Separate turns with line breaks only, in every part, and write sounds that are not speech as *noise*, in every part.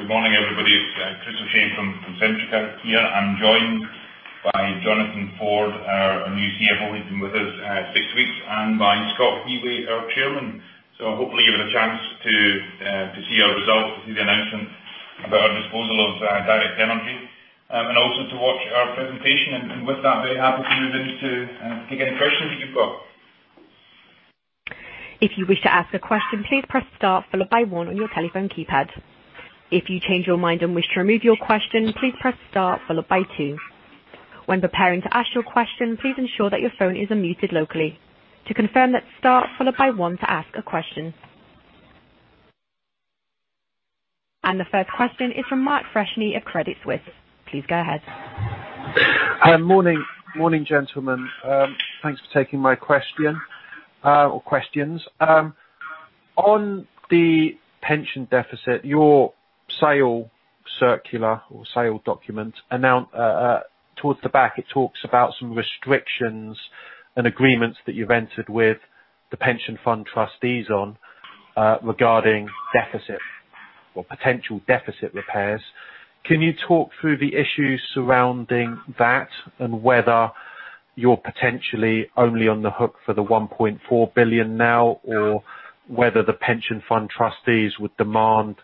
Good morning, everybody. It's Chris O'Shea from Centrica here. I'm joined by Johnathan Ford, our new CFO. He's been with us six weeks, and by Scott Wheway, our chairman. Hopefully, you've had a chance to see our results through the announcement about our disposal of Direct Energy. Also to watch our presentation, and with that, be happy to move into taking any questions you've got.
If you wish to ask a question, please press star followed by one on your telephone keypad. If you change your mind and wish to remove your question, please press star followed by two. When preparing to ask your question, please ensure that your phone is unmuted locally. To confirm, that's star followed by one to ask a question. The first question is from Mark Freshney at Credit Suisse. Please go ahead.
Morning, gentlemen. Thanks for taking my question or questions. On the pension deficit, your sale circular or sale document, towards the back, it talks about some restrictions and agreements that you've entered with the pension fund trustees on regarding deficit or potential deficit repairs. Can you talk through the issues surrounding that and whether you're potentially only on the hook for the 1.4 billion now or whether the pension fund trustees would demand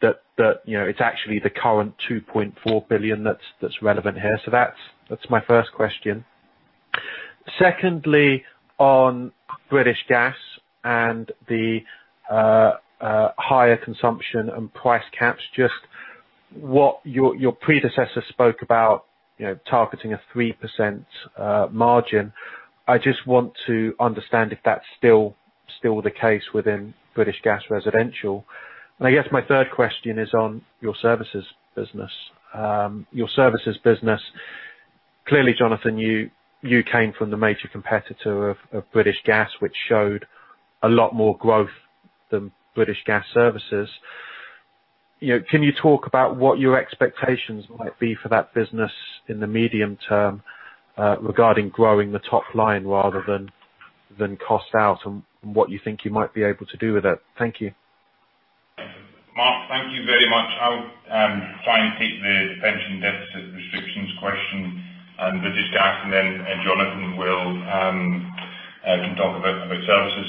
that it's actually the current 2.4 billion that's relevant here? That's my first question. Secondly, on British Gas and the higher consumption and price caps, just what your predecessor spoke about, targeting a 3% margin. I just want to understand if that's still the case within British Gas Residential. I guess my third question is on your services business. Your services business, clearly, Johnathan, you came from the major competitor of British Gas, which showed a lot more growth than British Gas Services. Can you talk about what your expectations might be for that business in the medium term regarding growing the top line rather than cost out and what you think you might be able to do with it? Thank you.
Mark, thank you very much. I'll try and take the pension deficit restrictions question and British Gas, and then Johnathan can talk about services.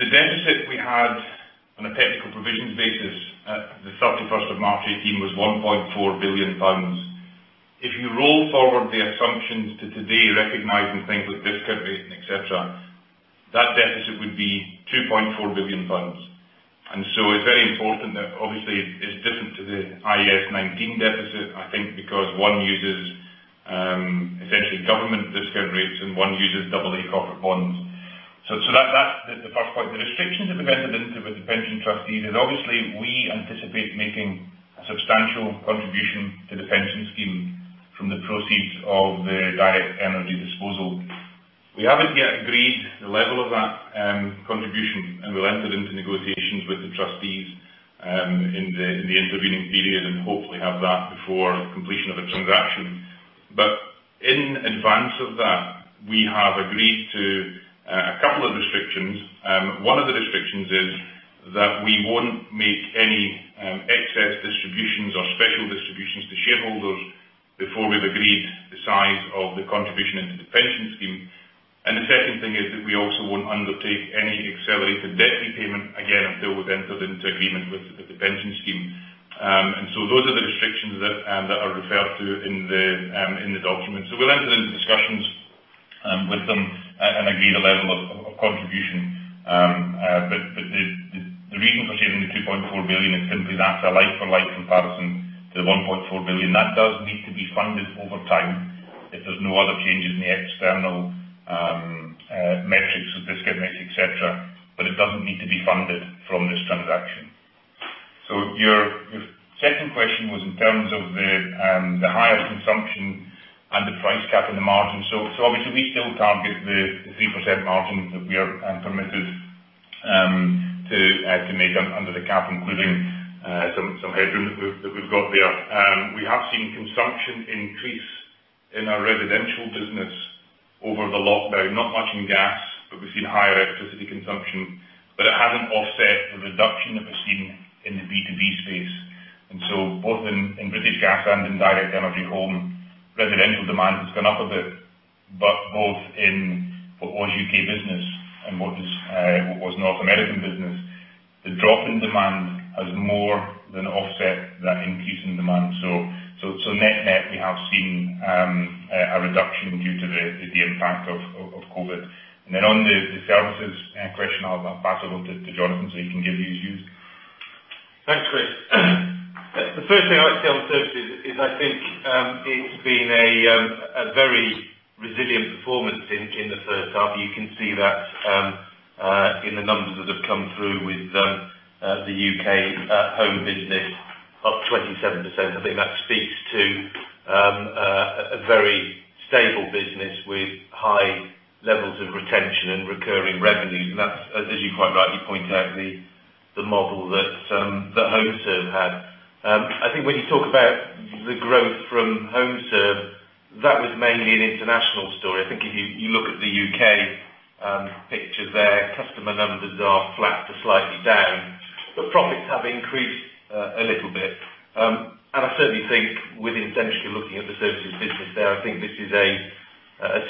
The deficit we had on a technical provisions basis at the 31st of March 2018 was 1.4 billion pounds. If you roll forward the assumptions to today, recognizing things like discount rate, et cetera, that deficit would be 2.4 billion pounds. It's very important that obviously it's different to the IAS 19 deficit, I think because one uses essentially government discount rates, and one uses double A corporate bonds. That's the first point. The restrictions that we've entered into with the pension trustees is obviously we anticipate making a substantial contribution to the pension scheme from the proceeds of the Direct Energy disposal. We haven't yet agreed the level of that contribution, and we'll enter into negotiations with the trustees in the intervening period, and hopefully have that before completion of the transaction. In advance of that, we have agreed to a couple of restrictions. One of the restrictions is that we won't make any excess distributions or special distributions to shareholders before we've agreed the size of the contribution into the pension scheme. The second thing is that we also won't undertake any accelerated debt repayment, again, until we've entered into agreement with the pension scheme. Those are the restrictions that are referred to in the document. We'll enter into discussions with them and agree the level of contribution. The reason for sharing the 2.4 billion is simply that's a like-for-like comparison to the 1.4 billion. That does need to be funded over time if there's no other changes in the external metrics of discount rates, et cetera. It doesn't need to be funded from this transaction. Your second question was in terms of the higher consumption and the price cap and the margin. Obviously, we still target the 3% margin that we are permitted to make under the cap, including some headroom that we've got there. We have seen consumption increase in our residential business over the lockdown, not much in gas, but we've seen higher electricity consumption, but it hasn't offset the reduction that we're seeing in the B2B space. Both in British Gas and in Direct Energy Home, residential demand has gone up a bit, but both in what was U.K. Business and what was North American Business, the drop in demand has more than offset that increase in demand. Net-net, we have seen a reduction due to the impact of COVID. Then on the services question, I'll pass it on to Johnathan so he can give his views.
Thanks, Chris. The first thing I'd say on services is I think it's been a very resilient performance in the first half. You can see that in the numbers that have come through with the U.K. home business up 27%. I think that speaks to a very stable business with high levels of retention and recurring revenues. That's, as you quite rightly point out, the model that HomeServe had. I think when you talk about the growth from HomeServe That was mainly an international story. I think if you look at the U.K. picture there, customer numbers are flat to slightly down, but profits have increased a little bit. I certainly think with essentially looking at the services business there, I think this is a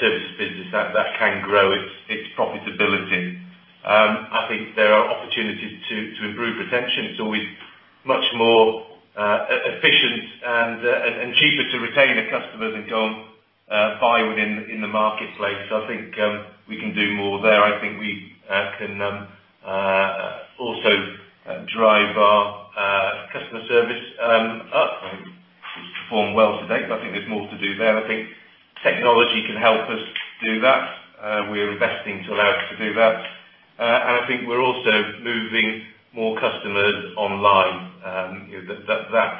services business that can grow its profitability. I think there are opportunities to improve retention. It's always much more efficient and cheaper to retain a customer than go and buy within the marketplace. I think we can do more there. I think we can also drive our customer service up. It's performed well to date, but I think there's more to do there, and I think technology can help us do that. We are investing to allow us to do that. I think we're also moving more customers online. That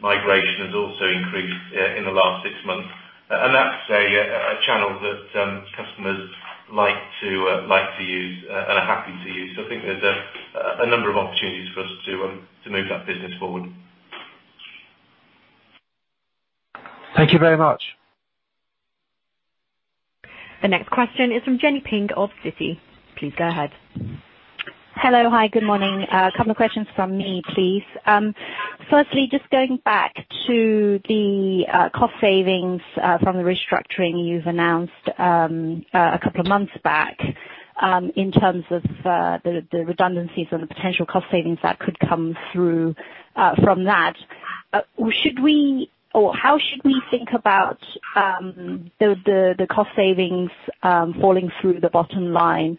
migration has also increased in the last six months. That's a channel that customers like to use and are happy to use. I think there's a number of opportunities for us to move that business forward.
Thank you very much.
The next question is from Jenny Ping of Citi. Please go ahead.
Hello. Hi, good morning. A couple of questions from me, please. Firstly, just going back to the cost savings from the restructuring you've announced a couple of months back in terms of the redundancies and the potential cost savings that could come through from that. How should we think about the cost savings falling through the bottom line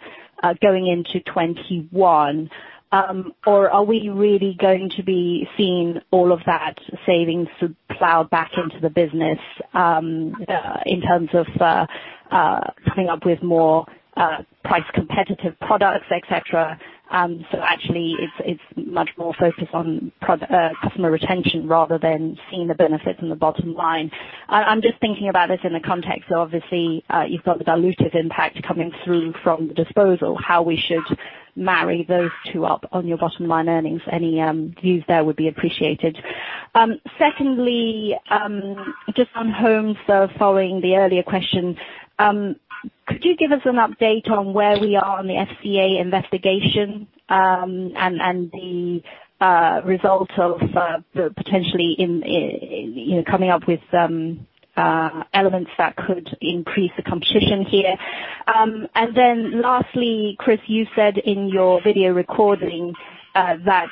going into 2021? Are we really going to be seeing all of that savings plowed back into the business in terms of coming up with more price competitive products, et cetera? Actually it's much more focused on customer retention rather than seeing the benefits in the bottom line. I'm just thinking about this in the context of, obviously, you've got the dilutive impact coming through from the disposal, how we should marry those two up on your bottom line earnings. Any views there would be appreciated. Secondly, just on Homes, though, following the earlier question, could you give us an update on where we are on the FCA investigation and the result of potentially coming up with elements that could increase the competition here? Lastly, Chris, you said in your video recording that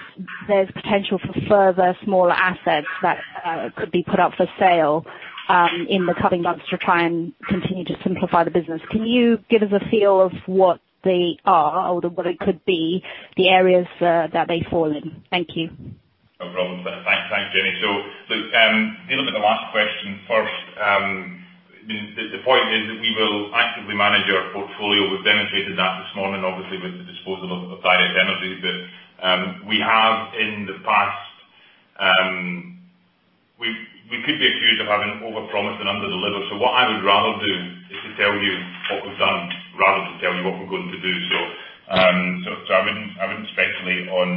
there's potential for further smaller assets that could be put up for sale in the coming months to try and continue to simplify the business. Can you give us a feel of what they are or what it could be, the areas that they fall in? Thank you.
No problem. Thanks, Jenny. Dealing with the last question first. The point is that we will actively manage our portfolio. We've demonstrated that this morning, obviously, with the disposal of Direct Energy. We have in the past, we could be accused of having overpromised and underdelivered. What I would rather do is to tell you what we've done rather than tell you what we're going to do. I wouldn't speculate on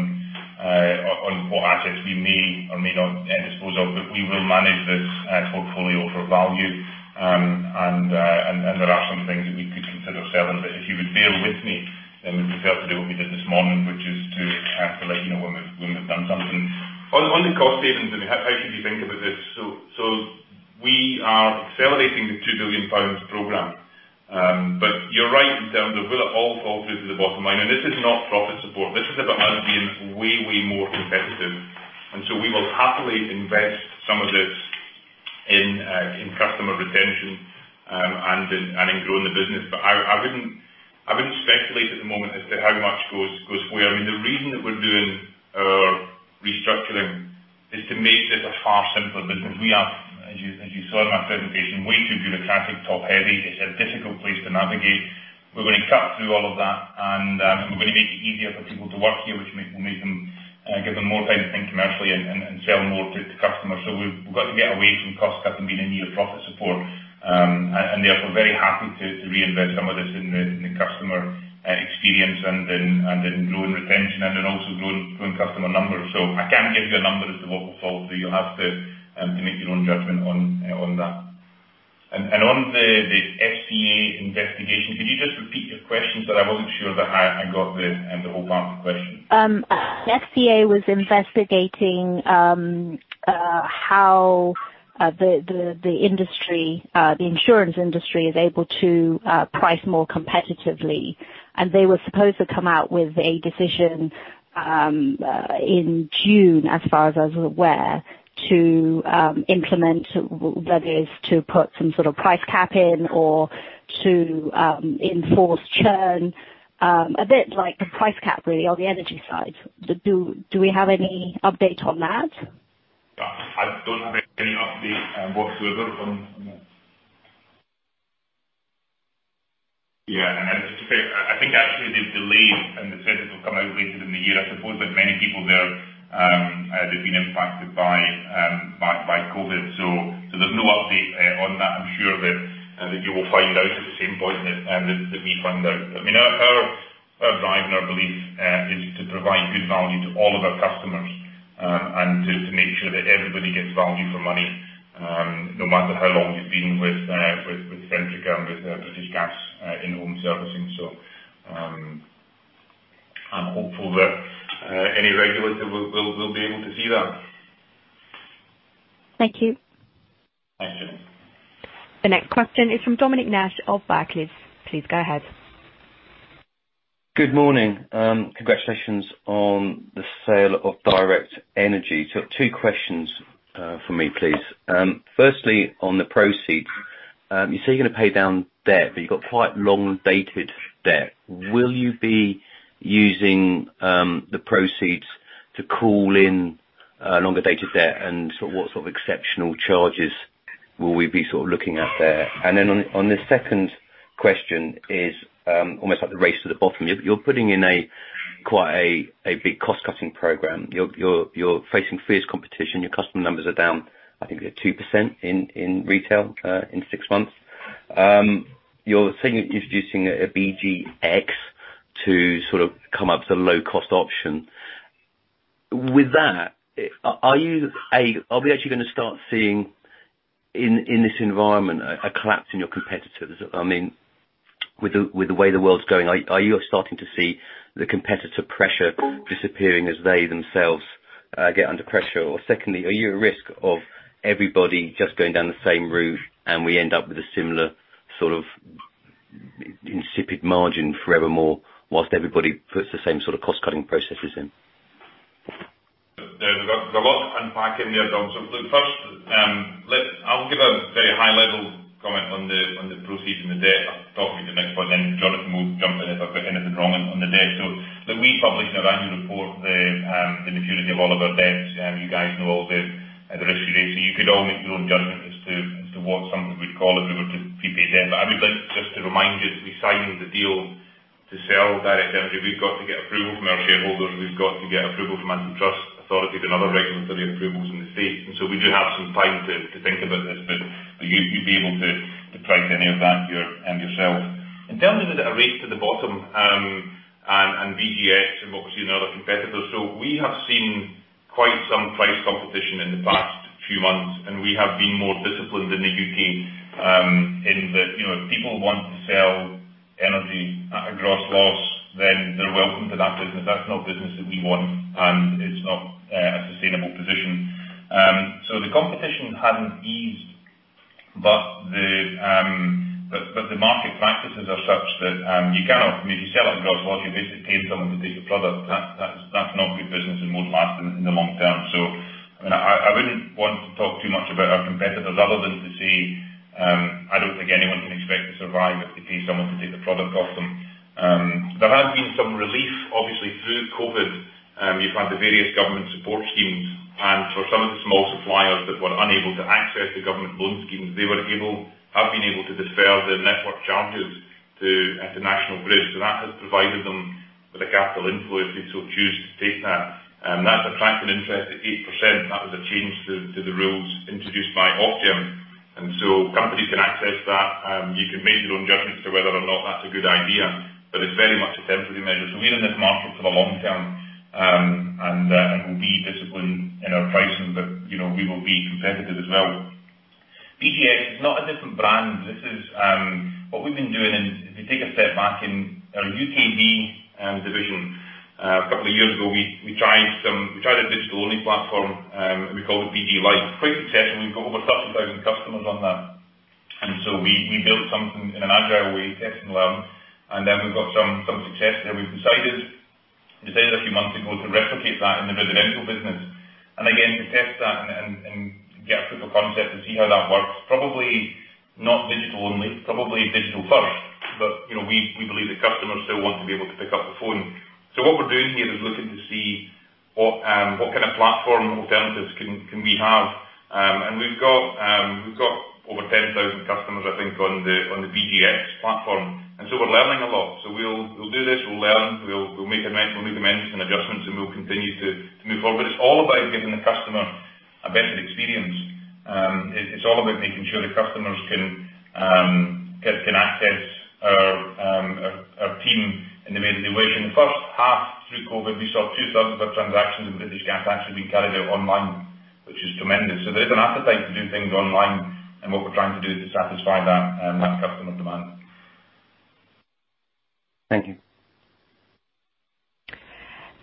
what assets we may or may not dispose of, we will manage this portfolio for value. There are some things that we could consider selling. If you would bear with me, we prefer to do what we did this morning, which is to let you know when we've done something. On the cost savings, I mean, how should you think about this? We are accelerating the 2 billion pounds program. You're right in terms of will it all fall through to the bottom line? This is not profit support. This is about us being way more competitive. We will happily invest some of this in customer retention and in growing the business. I wouldn't speculate at the moment as to how much goes where. I mean, the reason that we're doing a restructuring is to make this a far simpler business. We are, as you saw in my presentation, way too bureaucratic, top-heavy. It's a difficult place to navigate. We're going to cut through all of that, and we're going to make it easier for people to work here, which will give them more time to think commercially and sell more to customers. We've got to get away from cost cutting being in need of profit support. Therefore, very happy to reinvest some of this in the customer experience and in growing retention and in also growing customer numbers. I can't give you a number as to what will fall through. You'll have to make your own judgment on that. On the FCA investigation, could you just repeat the question? Because I wasn't sure that I got the whole part of the question.
The FCA was investigating how the insurance industry is able to price more competitively. They were supposed to come out with a decision in June, as far as I was aware, to implement, whether it's to put some sort of price cap in or to enforce churn, a bit like the price cap really on the energy side. Do we have any update on that?
I don't have any update whatsoever on that. Yeah, I think actually they've delayed and they said it will come out later in the year. I suppose like many people there, they've been impacted by COVID. There's no update on that. I'm sure that you will find out at the same point that we find out. I mean, Our drive and our belief is to provide good value to all of our customers, and to make sure that everybody gets value for money, no matter how long you've been with Centrica and with British Gas in home servicing. I'm hopeful that any regulator will be able to see that.
Thank you.
Thanks.
The next question is from Dominic Nash of Barclays. Please go ahead.
Good morning. Congratulations on the sale of Direct Energy. Two questions from me, please. Firstly, on the proceeds. You say you're going to pay down debt, but you've got quite long-dated debt. Will you be using the proceeds to call in longer-dated debt, and what sort of exceptional charges will we be looking at there? On the second question is almost like the race to the bottom. You're putting in quite a big cost-cutting program. You're facing fierce competition. Your customer numbers are down, I think, 2% in retail in six months. You're introducing a BGX to come up with a low-cost option. With that, are we actually going to start seeing in this environment a collapse in your competitors? With the way the world's going, are you starting to see the competitor pressure disappearing as they themselves get under pressure? Secondly, are you at risk of everybody just going down the same route, and we end up with a similar insipid margin forevermore while everybody puts the same sort of cost-cutting processes in?
There's a lot to unpack in there, Dom. Look, first, I'll give a very high-level comment on the proceeds and the debt. I'll talk to you at the next point, Johnathan will jump in if I put anything wrong on the debt. We publish in our annual report the maturity of all of our debts. You guys know all the risk you take. You could all make your own judgment as to what something we'd call if we were to prepay debt. I would like just to remind you that we signed the deal to sell Direct Energy. We've got to get approval from our shareholders, we've got to get approval from antitrust authority to another regulatory approvals in the state. We do have some time to think about this, but you'd be able to price any of that yourself. In terms of is it a race to the bottom and BGX and what we're seeing in other competitors, we have seen quite some price competition in the past few months, and we have been more disciplined in the U.K. in that if people want to sell energy at a gross loss, then they're welcome to that business. That's not business that we want, and it's not a sustainable position. The competition hadn't eased, but the market practices are such that if you sell at gross loss, you're basically paying someone to take your product. That's not good business and won't last in the long term. I wouldn't want to talk too much about our competitors other than to say, I don't think anyone can expect to survive if they pay someone to take the product off them. There has been some relief, obviously through COVID. You've had the various government support schemes, and for some of the small suppliers that were unable to access the government loan schemes, they have been able to defer their network charges to National Grid. That has provided them with a capital inflow if they so choose to take that. That's attracting interest at 8%. That was a change to the rules introduced by Ofgem, and so companies can access that. You can make your own judgments to whether or not that's a good idea, but it's very much a temporary measure. We're in this market for the long term, and we'll be disciplined in our pricing, but we will be competitive as well. BGX is not a different brand. What we've been doing, if you take a step back in our U.K. Business division, a couple of years ago, we tried a digital-only platform we called BG Lite. Quite successful. We've got over 30,000 customers on that. We built something in an agile way, test and learn. We've got some success there. We've decided a few months ago to replicate that in the residential business. Again, to test that and get a proof of concept to see how that works. Probably not digital only, probably digital first, we believe that customers still want to be able to pick up the phone. What we're doing here is looking to see what kind of platform alternatives can we have. We've got over 10,000 customers, I think, on the BGX platform. We're learning a lot. We'll do this, we'll learn, we'll make amends and adjustments, and we'll continue to move forward. It's all about giving the customer a better experience. It's all about making sure the customers can access our team in the manner they wish. In the first half through COVID, we saw [2,000] of our transactions with British Gas actually being carried out online, which is tremendous. There is an appetite to do things online, and what we're trying to do is to satisfy that customer demand.
Thank you.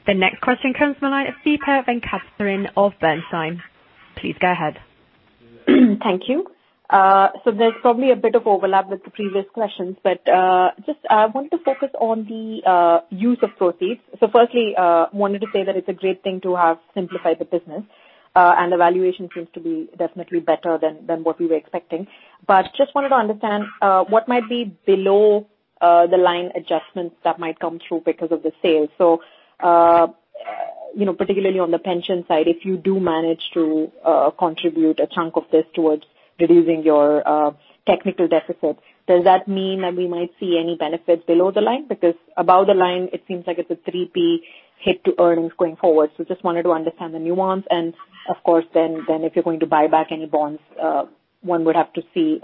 The next question comes from *audio distortion* of Bernstein. Please go ahead.
Thank you. There's probably a bit of overlap with the previous questions, but just want to focus on the use of proceeds. Firstly, wanted to say that it's a great thing to have simplified the business, and the valuation seems to be definitely better than what we were expecting. Just wanted to understand what might be below the line adjustments that might come through because of the sale. Particularly on the pension side, if you do manage to contribute a chunk of this towards reducing your technical deficit, does that mean that we might see any benefit below the line? Because above the line, it seems like it's a 3p hit to earnings going forward. Just wanted to understand the nuance. Of course then, if you're going to buy back any bonds, one would have to see,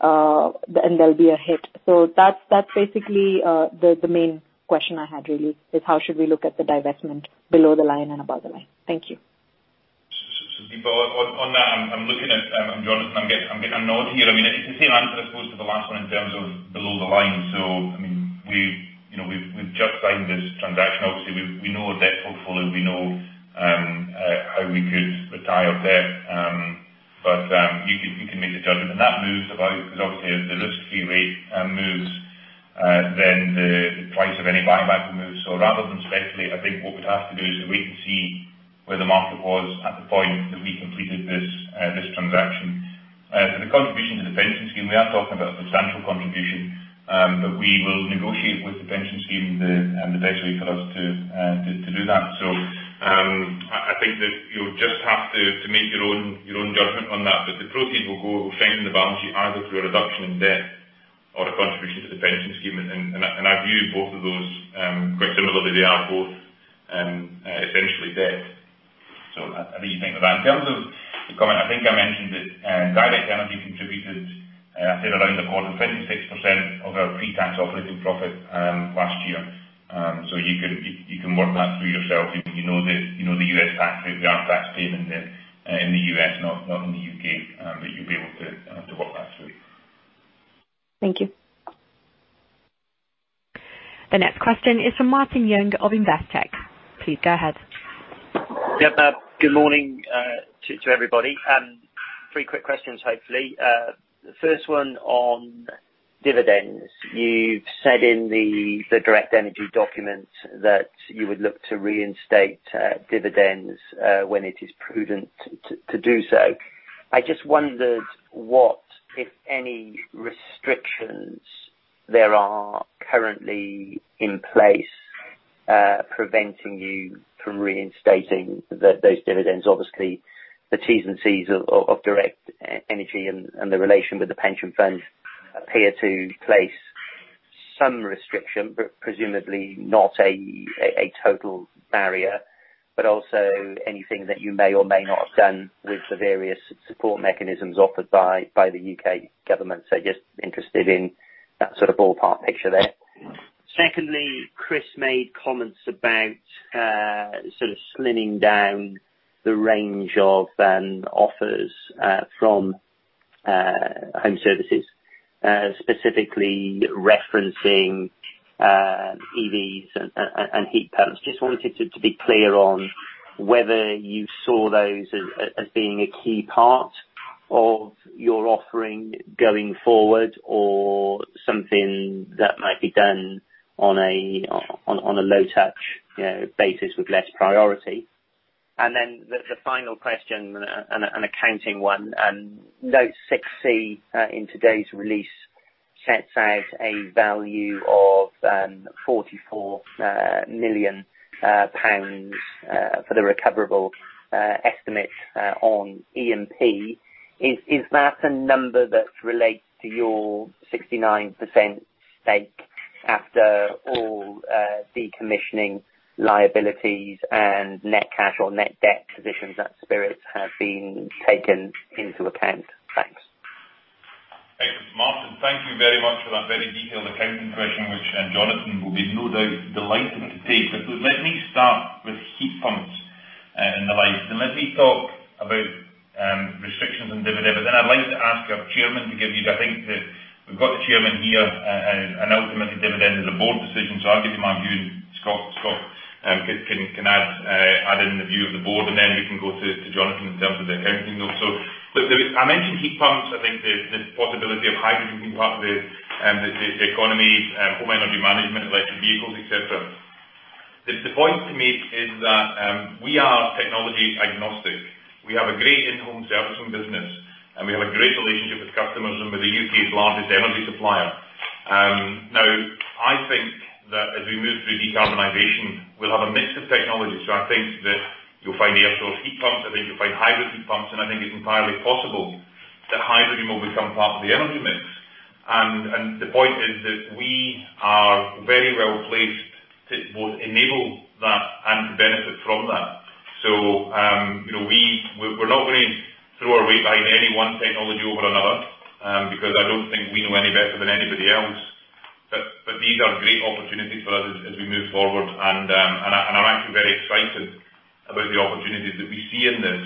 and there'll be a hit. That's basically the main question I had really is how should we look at the divestment below the line and above the line? Thank you.
On that, I'm looking at Johnathan. I'm nodding. It's the same answer, I suppose, to the last one in terms of below the line. We've just signed this transaction. Obviously, we know our debt portfolio. We know how we could retire debt. You can make the judgment. That moves about because obviously as the risk-free rate moves, then the price of any buyback moves. Rather than speculate, I think what we'd have to do is wait and see where the market was at the point that we completed this transaction. For the contribution to the pension scheme, we are talking about a substantial contribution. We will negotiate with the pension scheme the best way for us to do that. I think that you'll just have to make your own judgment on that. The proceeds will go strengthening the balance sheet either through a reduction in debt or a contribution to the pension scheme. I view both of those quite similarly. They are both essentially debt. I think you think of that. In terms of the comment, I think I mentioned that Direct Energy contributed, I said around about 26% of our pre-tax operating profit last year. You can work that through yourself. You know the U.S. tax rate. We are tax paying in the U.S., not in the U.K., but you'll be able to work that through.
Thank you.
The next question is from Martin Young of Investec. Please go ahead.
Yeah. Good morning to everybody. Three quick questions, hopefully. The first one on dividends. You've said in the Direct Energy document that you would look to reinstate dividends when it is prudent to do so. I just wondered what, if any, restrictions there are currently in place preventing you from reinstating those dividends. Obviously, the T's and C's of Direct Energy and the relation with the pension fund appear to place some restriction, but presumably not a total barrier. Also anything that you may or may not have done with the various support mechanisms offered by the U.K. government. Just interested in that sort of ballpark picture there. Secondly, Chris made comments about sort of slimming down the range of offers from home services, specifically referencing EVs and heat pumps. Just wanted to be clear on whether you saw those as being a key part of your offering going forward or something that might be done on a low touch basis with less priority. The final question, an accounting one. Note 6C in today's release sets out a value of 44 million pounds for the recoverable estimate on E&P. Is that a number that relates to your 69% stake after all decommissioning liabilities and net cash or net debt positions that Spirit Energy have been taken into account? Thanks.
Thanks, Martin. Thank you very much for that very detailed accounting question, which Johnathan will be no doubt delighted to take. Let me start with heat pumps and the like. As we talk about restrictions on dividends, I'd like to ask our chairman to give you, I think that we've got the chairman here, ultimately dividends is a board decision. I'll give you my view, Scott can add in the view of the board, we can go to Johnathan in terms of the accounting though. I mentioned heat pumps. I think the possibility of hydrogen being part of the economy, home energy management, electric vehicles, et cetera. The point to me is that we are technology agnostic. We have a great in-home servicing business, and we have a great relationship with customers and with the U.K.'s largest energy supplier. I think that as we move through decarbonization, we'll have a mix of technologies. I think that you'll find air source heat pumps, I think you'll find hydrogen pumps, and I think it's entirely possible that hydrogen will become part of the energy mix. The point is that we are very well placed to both enable that and to benefit from that. We're not going to throw our weight behind any one technology over another because I don't think we know any better than anybody else. These are great opportunities for us as we move forward, and I'm actually very excited about the opportunities that we see in this.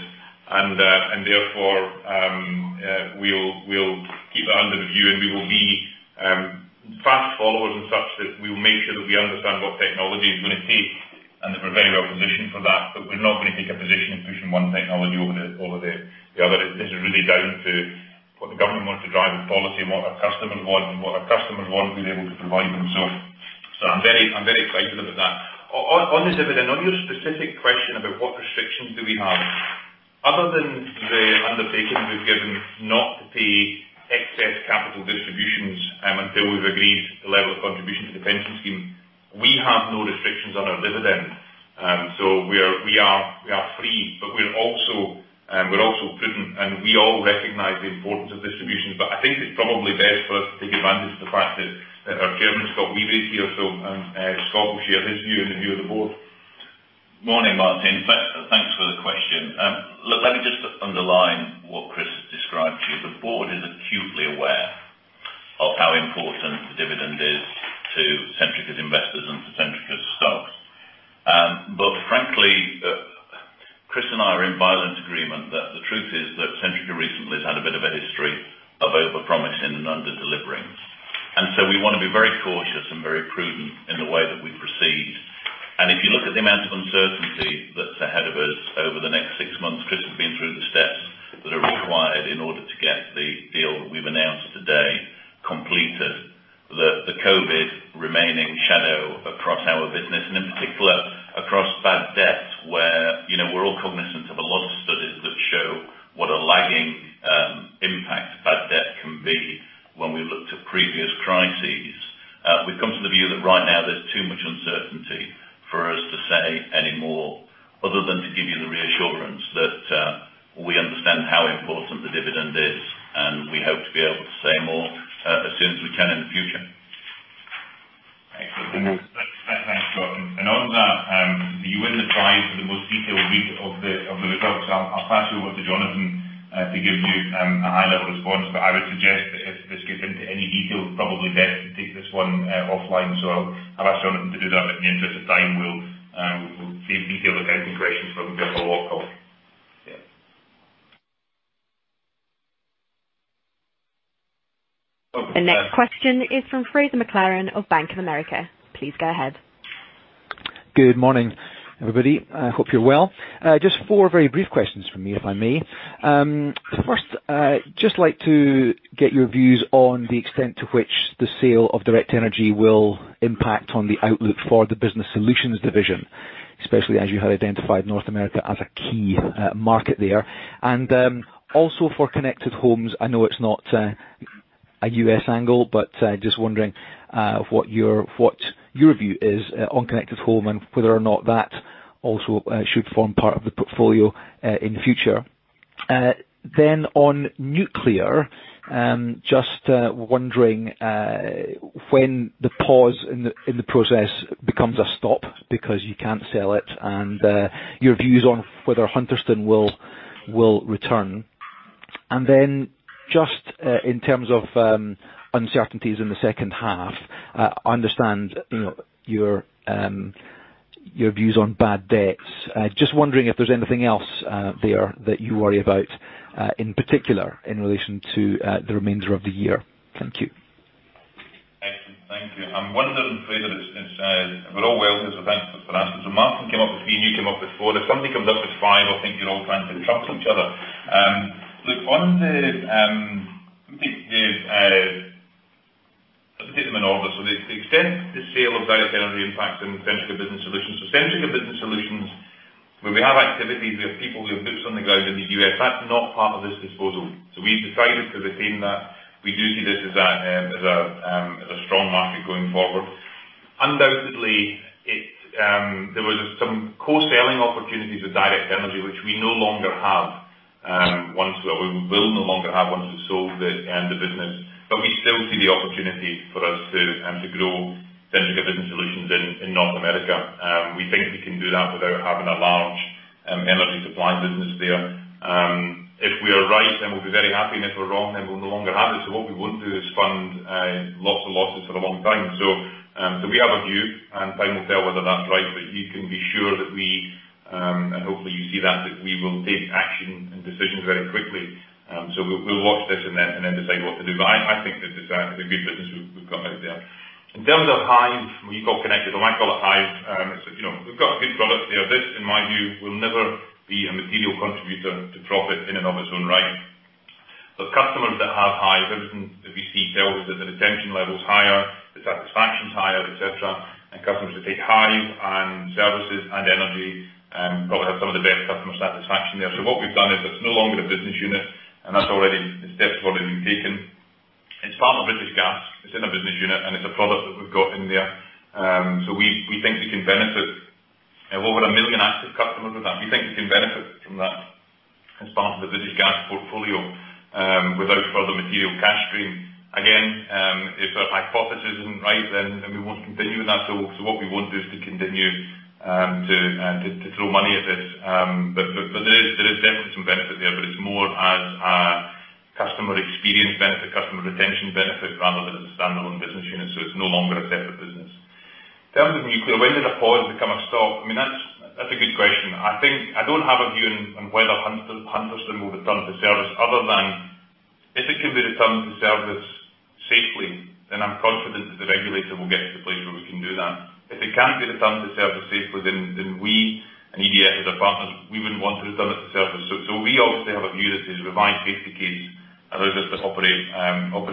Therefore, we'll keep that under review, and we will be fast followers and such that we will make sure that we understand what technology is going to take and that we're very well positioned for that. We're not going to take a position pushing one technology over the other. This is really down to what the government wants to drive in policy and what our customers want, and what our customers want, we're able to provide them. I'm very excited about that. On this dividend, on your specific question about what restrictions do we have, other than the undertaking we've given not to pay excess capital distributions until we've agreed the level of contribution to the pension scheme, we have no restrictions on our dividend. We are free, but we're also prudent, and we all recognize the importance of distributions. I think it's probably best for us to take advantage of the fact that our Chairman, Scott Wheway, is here. Scott will share his view and the view of the board.
Morning, Martin. Thanks for the question. Look, let me just underline what Chris has described to you. The board is acutely aware to Centrica's investors and to Centrica's stocks. Frankly, Chris and I are in violent agreement that the truth is that Centrica recently has had a bit of a history of over-promising and under-delivering. We want to be very cautious and very prudent in the way that we proceed. If you look at the amount of uncertainty that's ahead of us over the next six months, Chris has been through the steps that are required in order to get the deal that we've announced today completed, the COVID remaining shadow across our business and in particular, across bad debts, where we're all cognizant of a lot of studies that show what a lagging impact bad debt can be when we look to previous crises. We've come to the view that right now there's too much uncertainty for us to say any more other than to give you the reassurance that we understand how important the dividend is, and we hope to be able to say more, as soon as we can in the future.
Excellent. Thanks, Scott. On that, you wouldn't apply for the most detailed read of the results. I'll pass you over to Johnathan to give you a high-level response. I would suggest that if this gets into any detail, probably best to take this one offline. I'll ask Johnathan to do that, but in the interest of time, we'll save detailed accounting questions for when we go for a [walk call]. Yeah.
The next question is from Fraser McLaren of Bank of America. Please go ahead.
Good morning, everybody. I hope you're well. Just four very brief questions from me, if I may. First, just like to get your views on the extent to which the sale of Direct Energy will impact on the outlook for the Business Solutions division, especially as you had identified North America as a key market there. Also for Connected Home, I know it's not a U.S. angle, but just wondering what your view is on Connected Home and whether or not that also should form part of the portfolio in the future. On nuclear, just wondering when the pause in the process becomes a stop because you can't sell it, and your views on whether Hunterston will return. Then just in terms of uncertainties in the second half, I understand your views on bad debts. Just wondering if there's anything else there that you worry about in particular in relation to the remainder of the year. Thank you.
Excellent. Thank you. One of them, Fraser, we're all well because of answers for answers. Martin came up with three, and you came up with four. If somebody comes up with five, I'll think you're all trying to trump each other. Let me take them in order. The extent the sale of Direct Energy impacts on Centrica Business Solutions. Centrica Business Solutions, where we have activities, we have people, we have boots on the ground in the U.S., that's not part of this disposal. We've decided to retain that. We do see this as a strong market going forward. Undoubtedly, there was some core selling opportunities with Direct Energy, which we no longer have. We will no longer have once we've sold the business. We still see the opportunity for us to grow Centrica Business Solutions in North America. We think we can do that without having a large energy supply business there. If we are right, then we'll be very happy, and if we're wrong, then we'll no longer have it. What we won't do is fund lots of losses for a long time. We have a view, and time will tell whether that's right, but you can be sure that we, and hopefully you see that we will take action and decisions very quickly. We'll watch this and then decide what to do. I think this is a good business we've got out there. In terms of Hive, well you call it Connected, I might call it Hive. We've got a good product there. This, in my view, will never be a material contributor to profit in and of its own right. Customers that have Hive, everything that we see tells us that the retention level is higher, the satisfaction is higher, et cetera, and customers that take Hive and services and energy probably have some of the best customer satisfaction there. What we've done is it's no longer a business unit, and the step's already been taken. It's part of British Gas. It's in a business unit, and it's a product that we've got in there. We think we can benefit over one million active customers with that. We think we can benefit from that as part of the British Gas portfolio without further material cash stream. Again, if our hypothesis isn't right, then we won't continue with that. What we won't do is to continue to throw money at this. There is definitely some benefit there, but it's more as a customer experience benefit, customer retention benefit rather than a standalone business unit. It's no longer a separate business. In terms of nuclear, when did a pause become a stop? That's a good question. I don't have a view on whether Hunterston will return to service other than if it can be returned to service safely, then I'm confident that the regulator will get to the place where we can do that. If it can't be returned to service safely, then we and EDF as our partners, we wouldn't want to return it to service. We obviously have a view that the revised safety case allows us to operate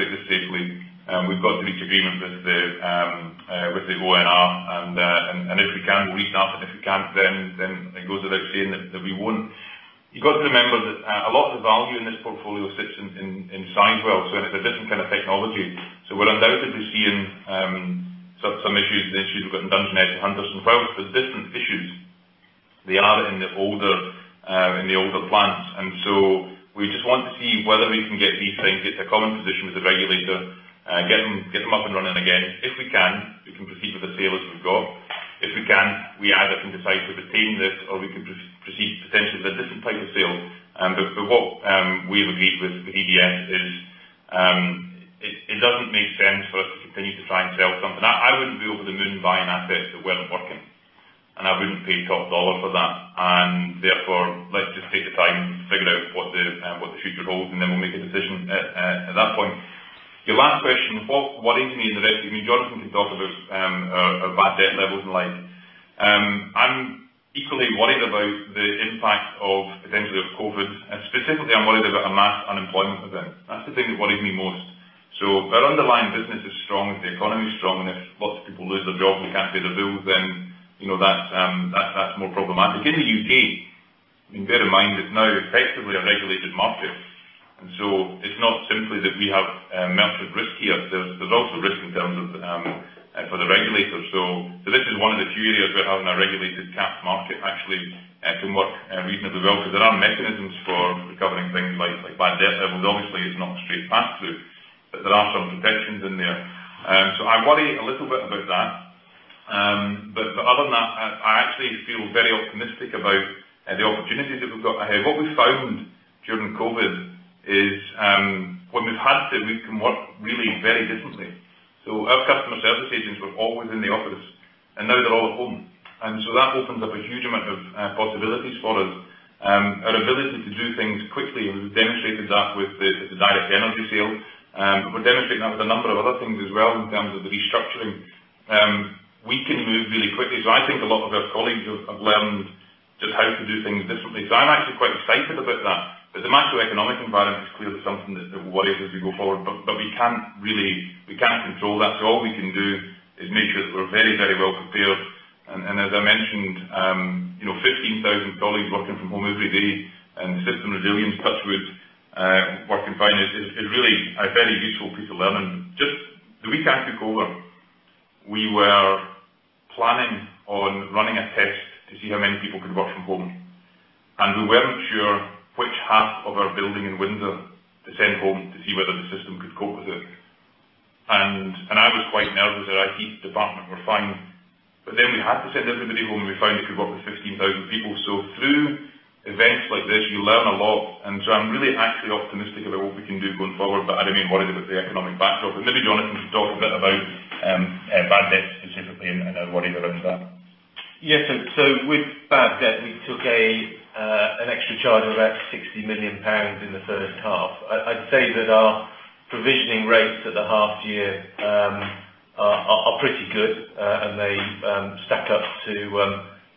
this safely. We've got to reach agreement with the ONR. If we can, we'll reach that. If we can't, it goes without saying that we won't. You've got to remember that a lot of the value in this portfolio sits in Sizewell. It's a different kind of technology. We're undoubtedly seeing some issues, the issues we've got in Dungeness and Hunterston, well, they're different issues. They are in the older plants. We just want to see whether we can get these things into common position with the regulator, get them up and running again. If we can, we can proceed with the sale as we've got. We either can decide to retain this, we could proceed potentially with a different type of sale. What we have agreed with EDF is, it doesn't make sense for us to continue to try and sell something. I wouldn't be over the moon buying assets that weren't working, and I wouldn't pay top dollar for that. Therefore, let's just take the time to figure out what the future holds, and then we'll make a decision at that point. Your last question, what worries me is the risk. Johnathan can talk about our bad debt levels and the like. I'm equally worried about the impact of potentially of COVID. Specifically, I'm worried about a mass unemployment event. That's the thing that worries me most. So if our underlying business is strong, if the economy is strong, and if lots of people lose their jobs and can't pay their bills, then that's more problematic. In the U.K., bear in mind, it's now effectively a regulated market. It's not simply that we have merchant risk here. There's also risk in terms of for the regulators. This is one of the few areas where having a regulated cap market actually can work reasonably well because there are mechanisms for recovering things like bad debt levels. Obviously, it's not a straight pass-through, but there are some protections in there. I worry a little bit about that. Other than that, I actually feel very optimistic about the opportunities that we've got ahead. What we found during COVID is, when we've had to, we can work really very differently. Our customer service agents were always in the office, and now they're all at home. That opens up a huge amount of possibilities for us. Our ability to do things quickly, and we've demonstrated that with the Direct Energy sale. We're demonstrating that with a number of other things as well in terms of the restructuring. We can move really quickly. I think a lot of our colleagues have learned just how to do things differently. I'm actually quite excited about that. The macroeconomic environment is clearly something that will worry us as we go forward. We can't control that, so all we can do is make sure that we're very, very well prepared. As I mentioned, 15,000 colleagues working from home every day and the system resilience, touch wood, working fine, is really a very useful piece of learning. Just the week I took over, we were planning on running a test to see how many people could work from home. We weren't sure which half of our building in Windsor to send home to see whether the system could cope with it. I was quite nervous our IT department were fine. We had to send everybody home, and we found it could work with 15,000 people. Through events like this, you learn a lot. I'm really actually optimistic about what we can do going forward, but I remain worried about the economic backdrop. Maybe Joh nathan can talk a bit about bad debt specifically and our worry around that.
Yes. With bad debt, we took an extra charge of about 60 million pounds in the first half. I'd say that our provisioning rates at the half year are pretty good, and they stack up to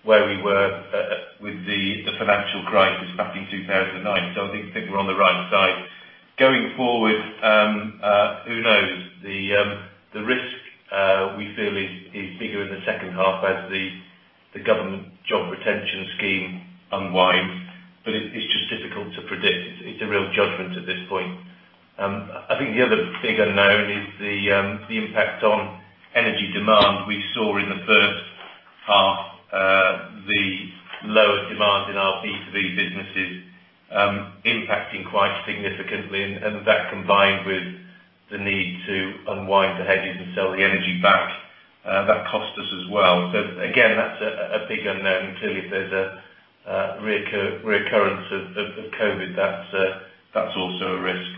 where we were with the financial crisis back in 2009. I think we're on the right side. Going forward, who knows? The risk, we feel, is bigger in the second half as the government job retention scheme unwinds. It's just difficult to predict. It's a real judgment at this point. I think the other big unknown is the impact on energy demand we saw in the first half, the lowest demand in our B2B businesses impacting quite significantly, and that combined with the need to unwind the hedges and sell the energy back. That cost us as well. Again, that's a big unknown. Clearly, if there's a reoccurrence of COVID, that's also a risk.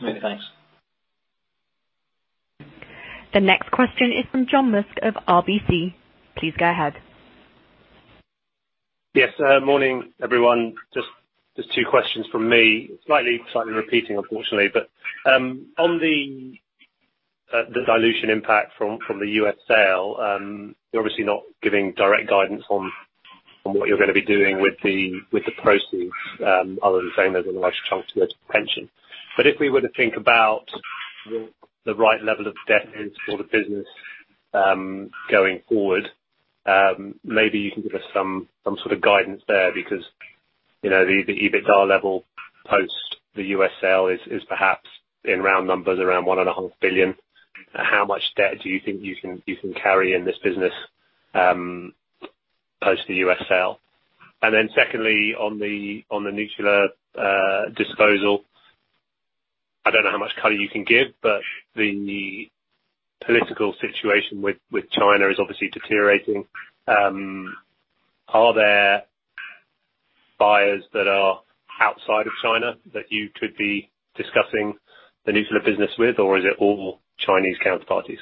Okay, thanks.
The next question is from John Musk of RBC. Please go ahead.
Yes. Morning, everyone. Just two questions from me. Slightly repeating, unfortunately. On the dilution impact from the U.S. sale, you're obviously not giving direct guidance on what you're going to be doing with the proceeds, other than saying there's a large chunk to go to pension. If we were to think about what the right level of debt is for the business going forward, maybe you can give us some sort of guidance there, because the EBITDA level post the U.S. sale is perhaps in round numbers, around one and a half billion. How much debt do you think you can carry in this business post the U.S. sale? Secondly, on the nuclear disposal, I don't know how much color you can give, but the political situation with China is obviously deteriorating. Are there buyers that are outside of China that you could be discussing the nuclear business with? Is it all Chinese counterparties?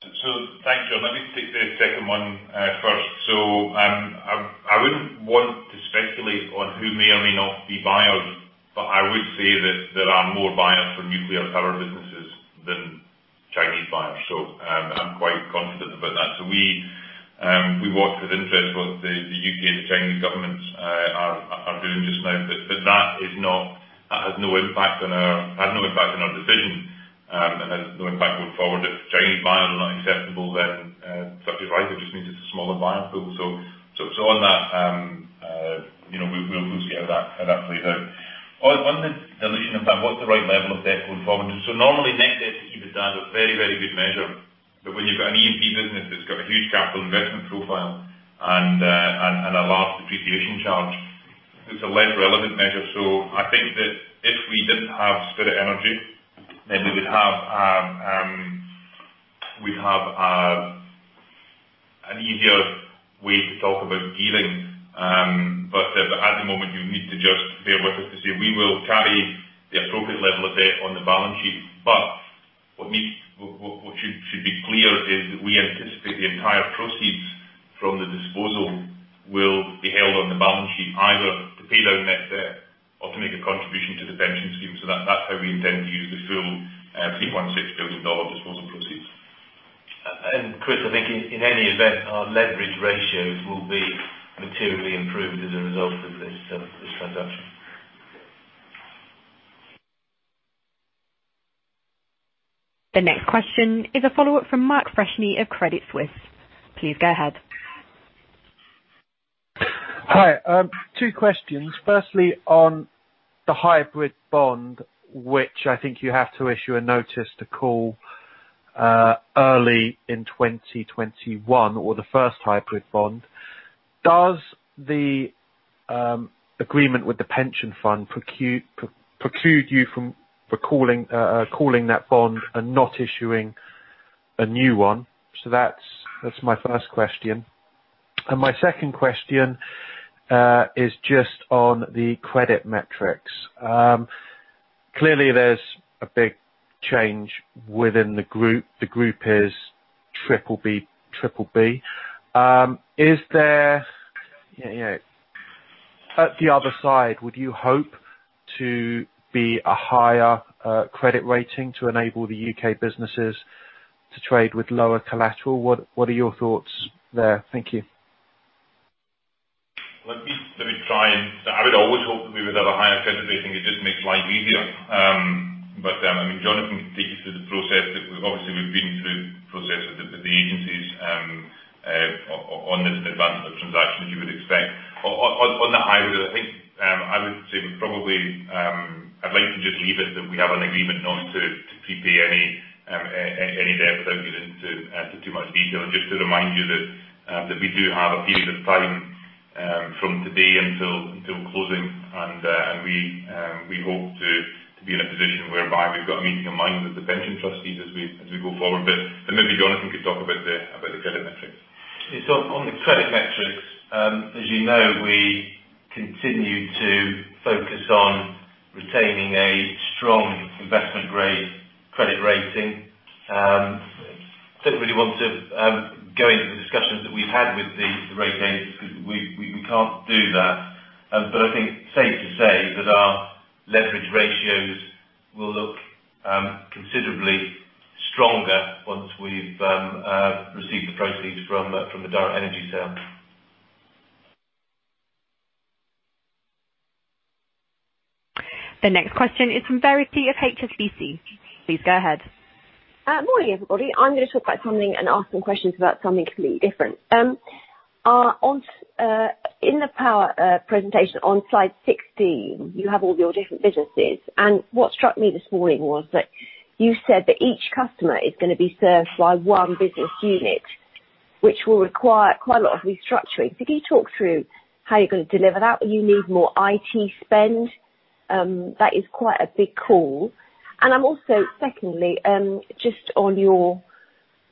Thanks, John. Let me take the second one first. I wouldn't want to speculate on who may or may not be buyers, but I would say that there are more buyers for nuclear power businesses than Chinese buyers. I'm quite confident about that. We watch with interest what the U.K. and Chinese governments are doing just now. That had no impact on our decision and has no impact going forward. If Chinese buyers are not acceptable, then so be it. It just means it's a smaller buyer pool. On that, we'll see how that plays out. On the dilution impact, what's the right level of debt going forward? Normally net debt to EBITDA is a very, very good measure. When you've got an E&P business that's got a huge capital investment profile and a large depreciation charge, it's a less relevant measure. I think that if we didn't have Spirit Energy, then we'd have an easier way to talk about gearing. At the moment, you need to just bear with us to say we will carry the appropriate level of debt on the balance sheet. What should be clear is that we anticipate the entire proceeds from the disposal will be held on the balance sheet, either to pay down net debt or to make a contribution to the pension scheme. That's how we intend to use the full $3.6 billion disposal proceeds.
Chris, I think in any event, our leverage ratios will be materially improved as a result of this transaction.
The next question is a follow-up from Mark Freshney of Credit Suisse. Please go ahead.
Hi. Two questions. Firstly, on the hybrid bond, which I think you have to issue a notice to call early in 2021 or the first hybrid bond. Does the agreement with the pension fund preclude you from calling that bond and not issuing a new one? That's my first question. My second question is just on the credit metrics. Clearly, there's a big change within the group. The group is triple B. At the other side, would you hope to be a higher credit rating to enable the U.K. businesses to trade with lower collateral? What are your thoughts there? Thank you.
Let me try and I would always hope that we would have a higher credit rating. Johnathan can take you through the process. Obviously, we've been through processes with the agencies on this advancement of transaction as you would expect. On that hybrid, I think I would say probably, I'd like to just leave it that we have an agreement not to prepay any debt without getting into too much detail. Just to remind you that we do have a period of time from today until closing, and we hope to be in a position whereby we've got a meeting in line with the pension trustees as we go forward. Maybe Johnathan could talk about the credit metrics.
On the credit metrics, as you know, we continue to focus on retaining a strong investment-grade credit rating. Don't really want to go into the discussions that we've had with the rating agencies. We can't do that. I think it's safe to say that our leverage ratios will look considerably stronger once we've received the proceeds from the Direct Energy sale.
The next question is from Verity of HSBC. Please go ahead.
Morning, everybody. I'm going to talk about something and ask some questions about something completely different. In the power presentation on slide 16, you have all your different businesses. What struck me this morning was that you said that each customer is going to be served by one business unit, which will require quite a lot of restructuring. Could you talk through how you're going to deliver that? Will you need more IT spend? That is quite a big call. I'm also, secondly, just on your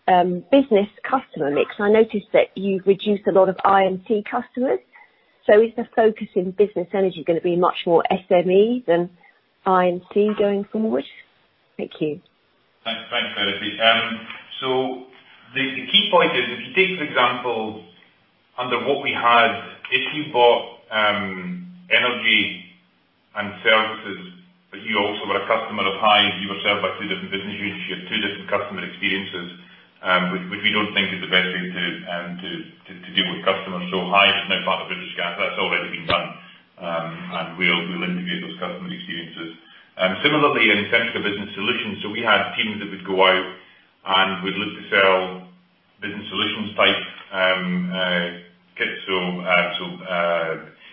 business customer mix, I noticed that you've reduced a lot of I&C customers. Is the focus in business energy going to be much more SME than I&C going forward? Thank you.
Thanks, Verity. The key point is, if you take, for example, under what we had, if you bought energy and services, but you also were a customer of Hive, you were served by two different business units, you had two different customer experiences, which we don't think is the best way to deal with customers. Hive is now part of British Gas. That's already been done. We'll integrate those customer experiences. Similarly, in Centrica Business Solutions, we had teams that would go out and would look to sell business solutions type kits.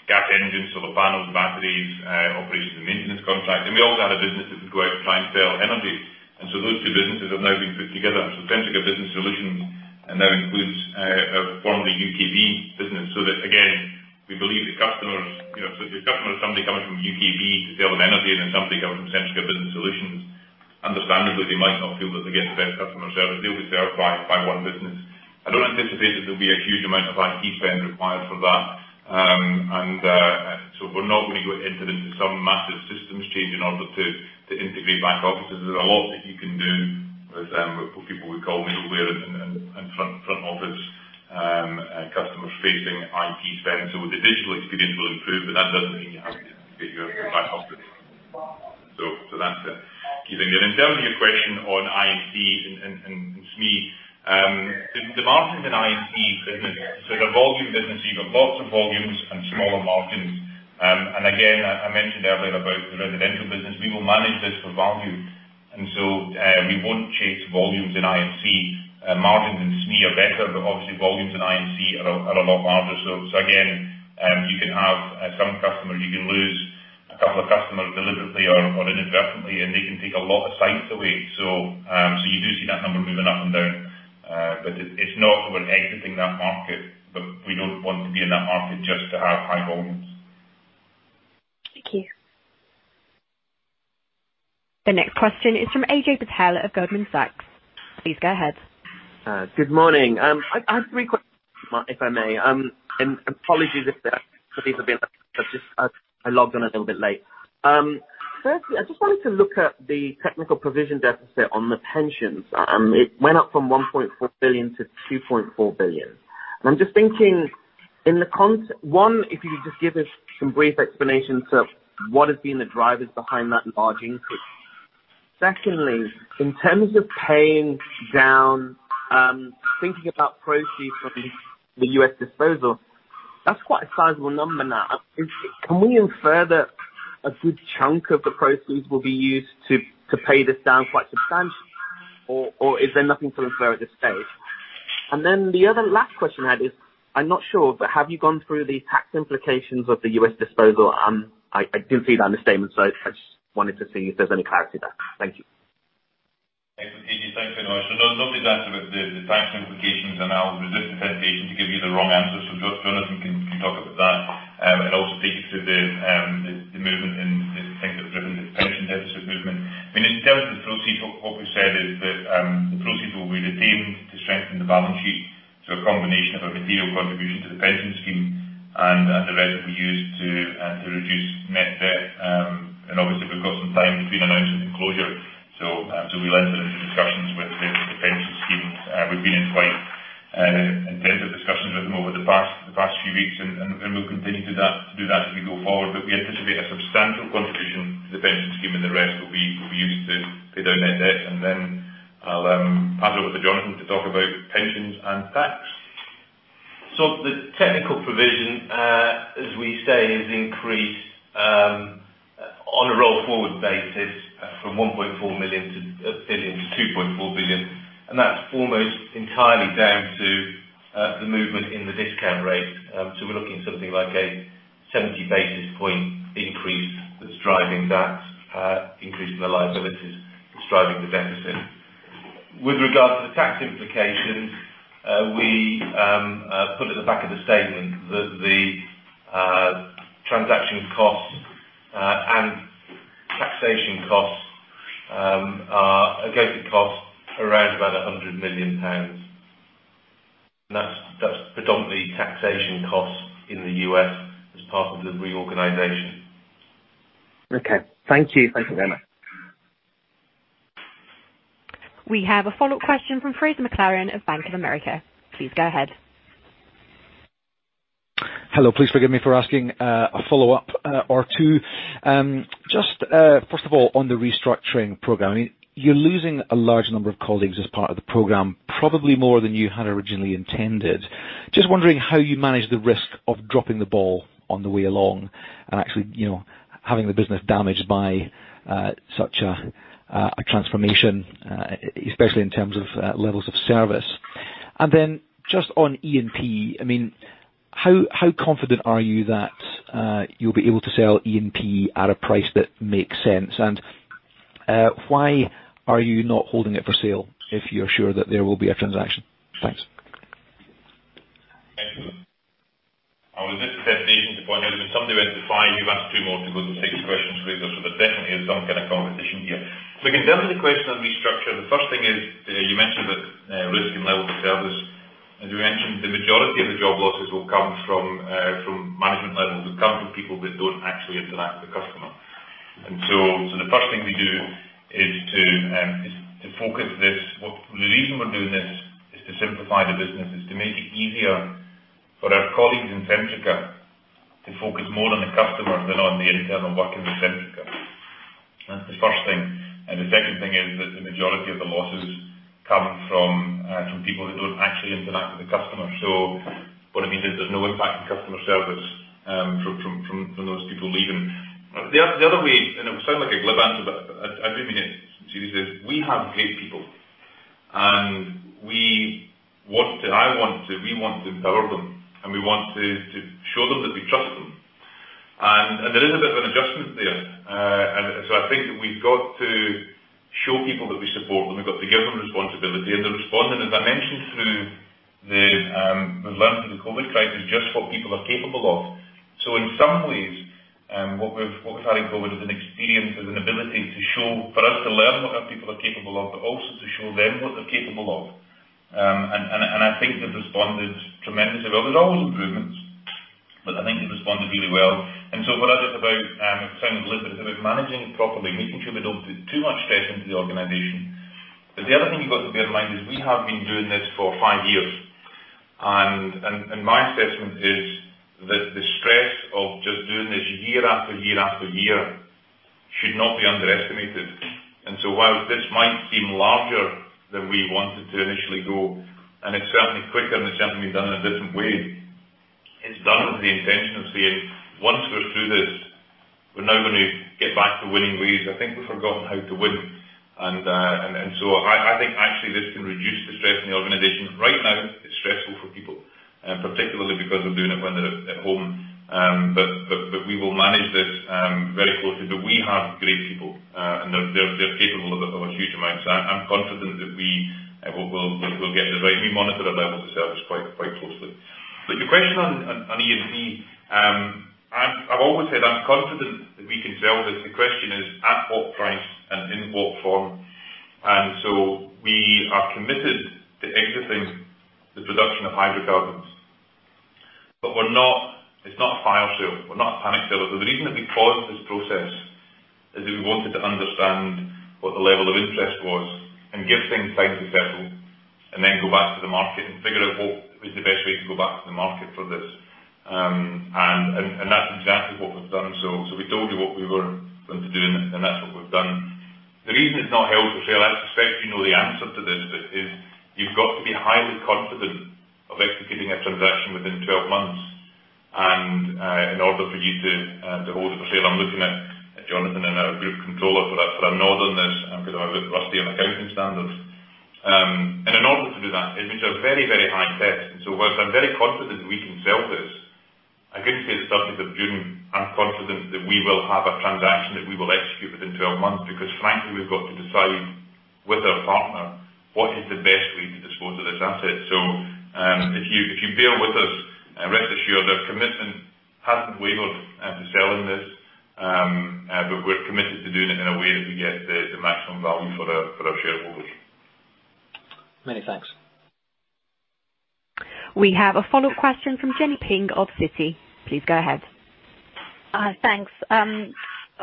Gas engines, solar panels, batteries, operations and maintenance contract. We also had a business that would go out and try and sell energy. Those two businesses have now been put together. Centrica Business Solutions now includes a formerly UKB business. That, again, we believe the customers, so if a customer has somebody coming from UKB to sell them energy, and then somebody coming from Centrica Business Solutions, understandably, they might not feel that they're getting the best customer service. They'll be served by one business. I don't anticipate that there'll be a huge amount of IT spend required for that. We're not going to go into some massive systems change in order to integrate back offices. There's a lot that you can do with people we call middleware and front office customer-facing IT spend. The digital experience will improve, but that doesn't mean you have to integrate your back office. That's it. Keeping it. In terms of your question on I&C and SME, the margins in I&C business, so they're volume business unit. You've got lots of volumes and smaller margins. Again, I mentioned earlier about the residential business. We will manage this for value. We won't chase volumes in I&C. Margins in SME are better, but obviously volumes in I&C are a lot larger. Again, you can have some customers you can lose couple of customers deliberately or inadvertently, and they can take a lot of sites away. You do see that number moving up and down. It's not that we're exiting that market. We don't want to be in that market just to have high volumes.
Thank you.
The next question is from Ajay Patel of Goldman Sachs. Please go ahead.
Good morning. I have three questions, if I may. Apologies if these have been asked. I logged on a little bit late. Firstly, I just wanted to look at the technical provision deficit on the pension side. It went up from 1.4 billion to 2.4 billion. I'm just thinking, one, if you could just give us some brief explanation to what has been the drivers behind that large increase. Secondly, in terms of paying down, thinking about proceeds from the U.S. disposal, that's quite a sizable number now. Can we infer that a good chunk of the proceeds will be used to pay this down quite substantially? Or is there nothing to infer at this stage? The other last question I had is, I'm not sure, but have you gone through the tax implications of the U.S. disposal? I didn't see that in the statement. I just wanted to see if there's any clarity there. Thank you.
Thanks, Ajay. Thanks very much. There's a lovely answer about the tax implications, and I'll resist the temptation to give you the wrong answer. Johnathan can talk about that, and also take you through the movement in the things that have driven the pension deficit movement. I mean, in terms of the proceeds, what we've said is that the proceeds will be retained to strengthen the balance sheet through a combination of a material contribution to the pension scheme and the rest will be used to reduce net debt. Obviously, we've got some time between announcement and closure. We're left with the discussions with the pension schemes. We've been in quite intensive discussions with them over the past few weeks, and we'll continue to do that as we go forward. We anticipate a substantial contribution to the pension scheme. The rest will be used to pay down net debt. I'll pass over to Johnathan to talk about pensions and tax.
The technical provision, as we say, is increased on a roll-forward basis from 1.4 billion to 2.4 billion, and that's almost entirely down to the movement in the discount rate. We're looking at something like a 70 basis point increase that's driving that increase in the liabilities, that's driving the deficit. With regard to the tax implications, we put at the back of the statement that the transaction costs and taxation costs are going to cost around about 100 million pounds. That's predominantly taxation costs in the U.S. as part of the reorganization.
Okay. Thank you.
Thank you very much.
We have a follow-up question from Fraser McLaren of Bank of America. Please go ahead.
Hello. Please forgive me for asking a follow-up or two. First of all, on the restructuring program, you're losing a large number of colleagues as part of the program, probably more than you had originally intended. Just wondering how you manage the risk of dropping the ball on the way along and actually having the business damaged by such a transformation, especially in terms of levels of service. Then just on E&P, how confident are you that you'll be able to sell E&P at a price that makes sense? Why are you not holding it for sale if you're sure that there will be a transaction? Thanks.
Excellent. I'll resist the temptation to point out that some do identify you've asked two more to go to six questions, Fraser, so there definitely is some kind of competition here. In terms of the question on restructure, the first thing is you mentioned the risk and level of service. As we mentioned, the majority of the job losses will come from management levels, will come from people that don't actually interact with the customer. The first thing we do is to focus this. The reason we're doing this is to simplify the business. It's to make it easier for our colleagues in Centrica to focus more on the customer than on the internal workings of Centrica. That's the first thing. The second thing is that the majority of the losses come from people that don't actually interact with the customer. What it means is there's no impact on customer service from those people leaving. The other way, it will sound like a glib answer, but I do mean it seriously, is we have great people, and we want to empower them, and we want to show them that we trust them. There is a bit of an adjustment there. I think that we've got to show people that we support them. We've got to give them responsibility, and they're responding. As I mentioned, we've learned through the COVID crisis just what people are capable of. In some ways, what we're trying to go with is an experience, is an ability for us to learn what our people are capable of, but also to show them what they're capable of. I think they've responded tremendously well. There's always improvements, I think they've responded really well. For us, it's about managing it properly, making sure we don't put too much stress into the organization. The other thing you've got to bear in mind is we have been doing this for five years. My assessment is that the stress of just doing this year after year after year should not be underestimated. While this might seem larger than we wanted to initially go, and it's certainly quicker and it's certainly done in a different way, it's done with the intention of saying, once we're through this, we're now going to get back to winning ways. I think we've forgotten how to win. I think actually this can reduce the stress in the organization. Right now, it's stressful for people. Particularly because they're doing it when they're at home. We will manage this very closely. We have great people, and they're capable of a huge amount. I'm confident that we will get the right. We monitor our level of service quite closely. Your question on E&P. I've always said I'm confident that we can sell this. The question is at what price and in what form? We are committed to exiting the production of hydrocarbons. It's not a fire sale. We're not panic sellers. The reason that we paused this process is that we wanted to understand what the level of interest was and give things time to settle, and then go back to the market and figure out what was the best way to go back to the market for this. That's exactly what we've done. We told you what we were going to do, and that's what we've done. The reason it's not held for sale, I suspect you know the answer to this, but is you've got to be highly confident of executing a transaction within twelve months. In order for you to hold a for sale, I'm looking at Johnathan and our group controller for that, but I know then this, because I'm a bit rusty on accounting standards. In order to do that, it means a very, very high test. Whilst I'm very confident we can sell this, I couldn't say at the 30th of June, I'm confident that we will have a transaction that we will execute within twelve months because frankly, we've got to decide with our partner what is the best way to dispose of this asset If you bear with us and rest assured, our commitment hasn't wavered to selling this, but we're committed to doing it in a way that we get the maximum value for our shareholders.
Many thanks.
We have a follow-up question from Jenny Ping of Citi. Please go ahead.
Thanks.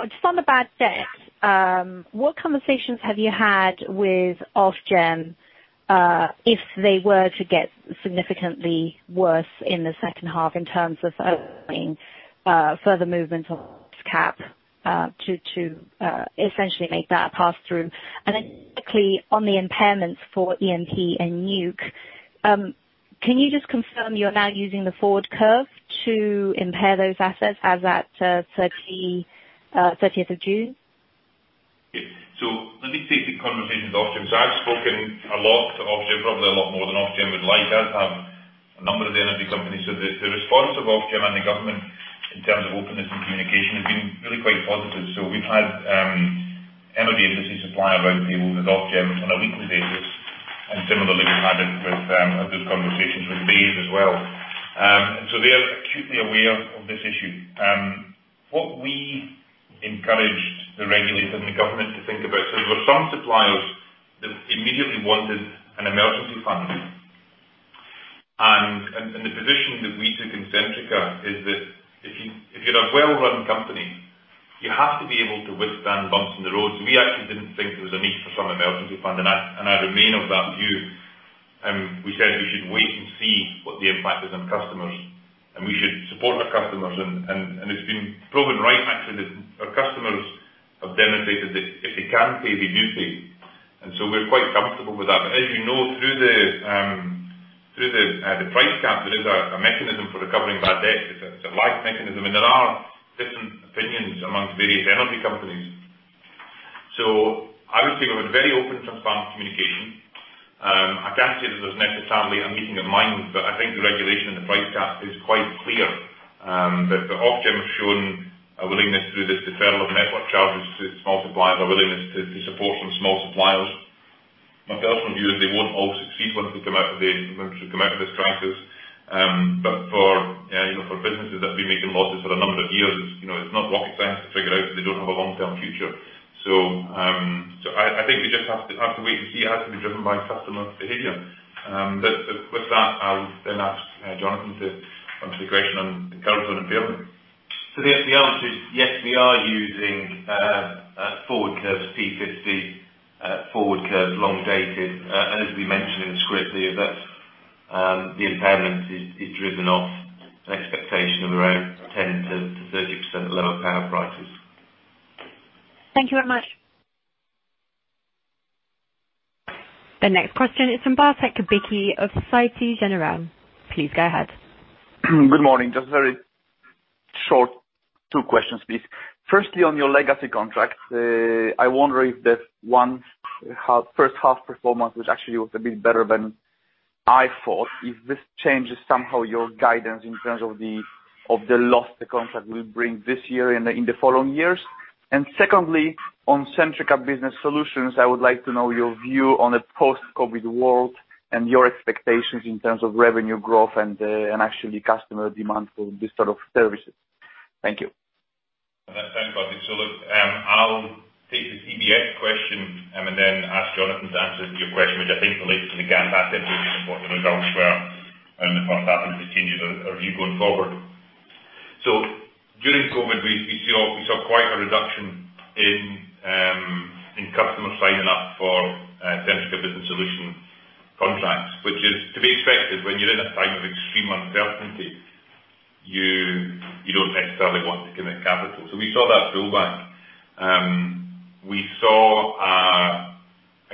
Just on the bad debt, what conversations have you had with Ofgem if they were to get significantly worse in the second half in terms of opening further movements on this cap to essentially make that a pass-through? Quickly on the impairments for E&P and Nuc, can you just confirm you're now using the forward curve to impair those assets as at 30th of June?
Let me take the conversation with Ofgem. I've spoken a lot to Ofgem, probably a lot more than Ofgem would like. I have a number of the energy companies. The response of Ofgem and the government in terms of openness and communication has been really quite positive. We've had energy agency supplier round tables with Ofgem on a weekly basis and similarly, we've had a good conversation with BEIS as well. They are acutely aware of this issue. What we encouraged the regulator and the government to think about, so there were some suppliers that immediately wanted an emergency fund. The position that we took in Centrica is that if you're a well-run company, you have to be able to withstand bumps in the road. We actually didn't think there was a need for some emergency fund, and I remain of that view. We said we should wait and see what the impact is on customers, and we should support our customers. It's been proven right, actually, that our customers have demonstrated that if they can pay, they do pay. We're quite comfortable with that. As you know, through the price cap, there is a mechanism for recovering bad debt. It's a live mechanism, and there are different opinions amongst various energy companies. I would say we've had very open, transparent communication. I can't say that there's necessarily a meeting of minds, but I think the regulation in the price cap is quite clear, that the Ofgem has shown a willingness through this deferral of network charges to small suppliers, a willingness to support some small suppliers. My personal view is they won't all succeed once we come out of this crisis. For businesses that have been making losses for a number of years, it's not rocket science to figure out they don't have a long-term future. I think we just have to wait and see. It has to be driven by customer behavior. With that, I'll then ask Johnathan to answer the question on carbon and payment.
The answer is, yes, we are using forward curves P50, forward curves long dated. As we mentioned in the script there, that the impairment is driven off an expectation of around 10%-30% lower power prices.
Thank you very much.
The next question is from Bartosz Bieliszczuk of Société Générale. Please go ahead.
Good morning. Just very short two questions, please. Firstly, on your legacy contract, I wonder if the first half performance was actually a bit better than I thought. If this changes somehow your guidance in terms of the lost contract will bring this year and in the following years. Secondly, on Centrica Business Solutions, I would like to know your view on a post-COVID world and your expectations in terms of revenue growth and actually customer demand for this sort of services. Thank you.
Thanks. Look, I'll take the CBS question then ask Johnathan to answer your question, which I think relates to the gas asset, which is what the results were in the first half and if this changes our view going forward. During COVID, we saw quite a reduction in customer sign up for Centrica Business Solutions contracts, which is to be expected when you're in a time of extreme uncertainty, you don't necessarily want to commit capital. We saw that pullback. We saw a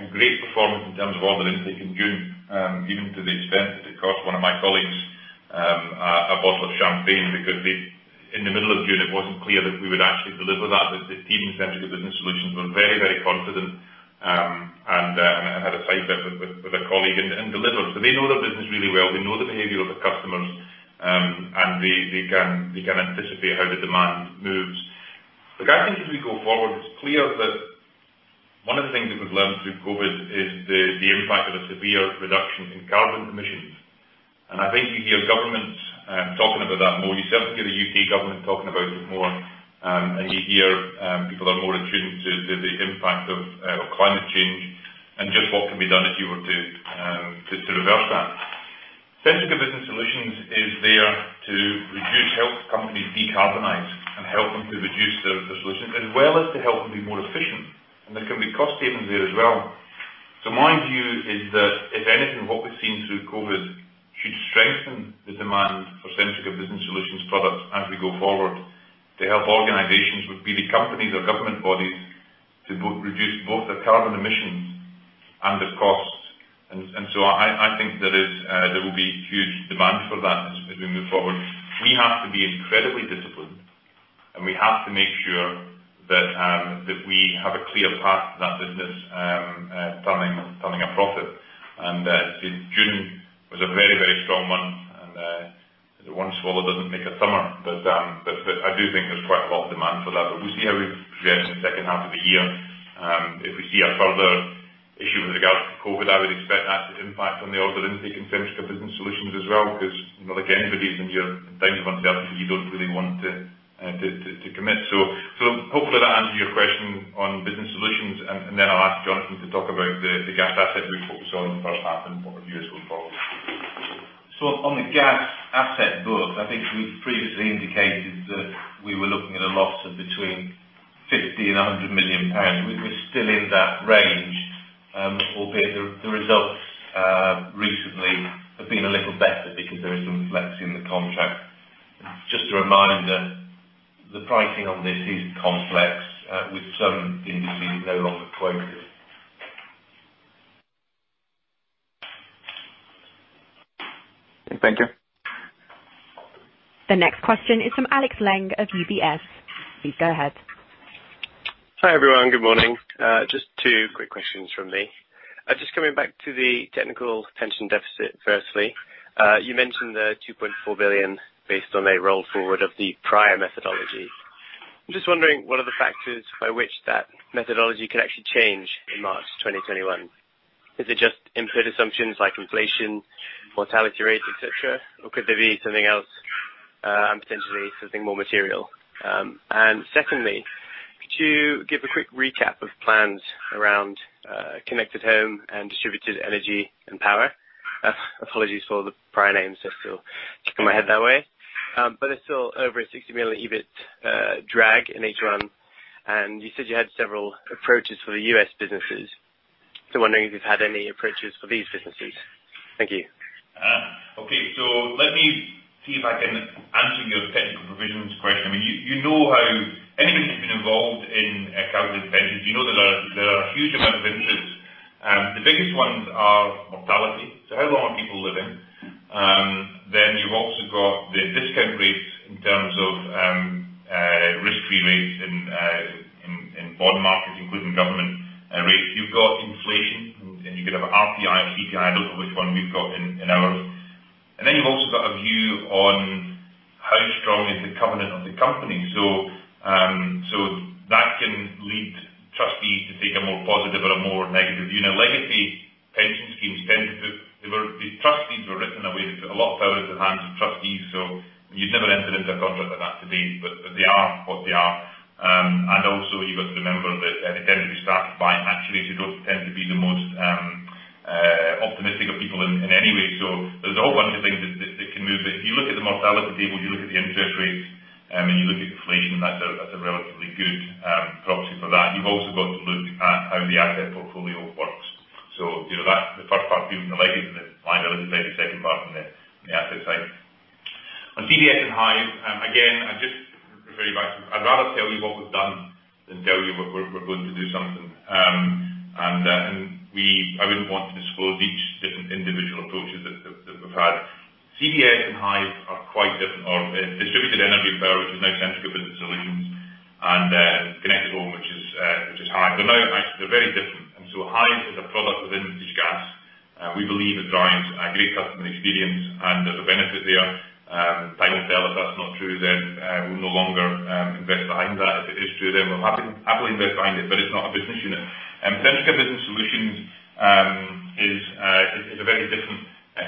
great performance in terms of order intake in June, even to the extent that it cost one of my colleagues a bottle of champagne because in the middle of June it wasn't clear that we would actually deliver that. The team in Centrica Business Solutions were very confident. I had a [side step] with a colleague [in the liver]. They know their business really well. They know the behavior of the customers, and they can anticipate how the demand moves. Look, I think as we go forward, it's clear that one of the things that we've learned through COVID is the impact of a severe reduction in carbon emissions. I think you hear governments talking about that more. You certainly hear the U.K. government talking about it more, and you hear people are more attuned to the impact of climate change and just what can be done if you were to reverse that. Centrica Business Solutions is there to help companies decarbonize and help them to reduce their solutions as well as to help them be more efficient. There can be cost savings there as well. My view is that if anything, what we've seen through COVID should strengthen the demand for Centrica Business Solutions products as we go forward to help organizations, whether it be companies or government bodies, to reduce both their carbon emissions and their costs. I think there will be huge demand for that as we move forward. We have to be incredibly disciplined, and we have to make sure that we have a clear path to that business turning a profit. June was a very strong month, and one swallow doesn't make a summer. I do think there's quite a lot of demand for that. We'll see how we progress in the second half of the year. If we see a further issue with regards to COVID, I would expect that to impact on the order intake in Centrica Business Solutions as well, because, like anybody, in times of uncertainty, you don't really want to commit. Hopefully that answers your question on business solutions, I'll ask Johnathan to talk about the gas asset we focused on in the first half and what reviews going forward.
On the gas asset book, I think we previously indicated that we were looking at a loss of between 50 million and 100 million pounds. We're still in that range. Albeit the results recently have been a little better because there is some flex in the contract. Just a reminder, the pricing on this is complex, with some indices no longer quoted.
Thank you.
The next question is from Alex Lang of UBS. Please go ahead.
Hi, everyone. Good morning. Just two quick questions from me. Coming back to the technical pension deficit, firstly. You mentioned the 2.4 billion based on a roll forward of the prior methodology. I'm just wondering, what are the factors by which that methodology could actually change in March 2021? Is it just input assumptions like inflation, mortality rates, et cetera? Could there be something else, and potentially something more material? Secondly, could you give a quick recap of plans around Connected Home and Distributed Energy & Power? Apologies for the prior names. They're still kicking my head that way. They're still over a 60 million EBIT drag in H1. You said you had several approaches for the U.S. businesses. I'm wondering if you've had any approaches for these businesses. Thank you.
Okay. Let me see if I can answer your technical provisions question. Anybody that has been involved in accounting pensions, you know there are a huge amount of inputs. The biggest ones are mortality. How long are people living? You've also got the discount rates in terms of risk-free rates in bond markets, including government rates. You've got inflation, you could have RPI or CPI. I don't know which one we've got in ours. You've also got a view on how strong is the covenant of the company. That can lead trustees to take a more positive or a more negative view. Now, legacy pension schemes. The trustees were [written away]. They put a lot of power in the hands of trustees. You'd never enter into a contract like that today. They are what they are. You've got to remember that they tend to be staffed by actuaries who don't tend to be the most optimistic of people in any way. There's a whole bunch of things that can move it. If you look at the mortality table, you look at the interest rates, and you look at inflation, that's a relatively good proxy for that. You've also got to look at how the asset portfolio works. The first part dealing with the legacy and the liability, maybe second part on the asset side. On CBS and Hive, again, I just refer you back to, I'd rather tell you what we've done than tell you we're going to do something. I wouldn't want to disclose each different individual approaches that we've had. CBS and Hive are quite different. Distributed Energy & Power, which is now Centrica Business Solutions, and Connected Home, which is Hive. They're very different. Hive is a product within British Gas. We believe it drives a great customer experience and there's a benefit there. Time will tell. If that's not true, we'll no longer invest behind that. If it is true, we'll happily invest behind it's not a business unit. Centrica Business Solutions is a very different